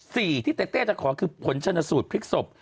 สิ่งที่เต้เต้จะขอคือผลชนสูตรพลิกศพ